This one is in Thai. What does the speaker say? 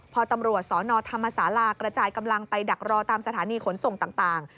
พอตำรวจสนธรรมศาลากระจายกำลังไปดักรอตามสถานีขนส่งต่าง